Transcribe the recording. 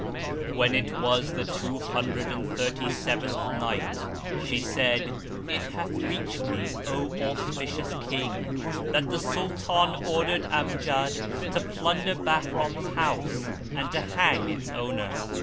When it was the Two Hundred and Thirty seventh Night, She said, It hath reached me, O auspicious King, that the Sultan ordered Amjad to plunder Bahram's house and to hang its owner.